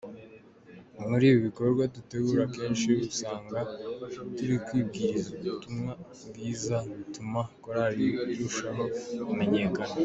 Muri ibi bikorwa dutegura akenshi usanga turi kubwiriza ubutumwa bwiza bituma Korali irushaho kumenyekana.